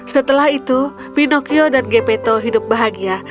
setelah itu pinocchio dan gapeto hidup bahagia